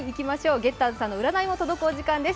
ゲッターズさんの占いが届くお時間です。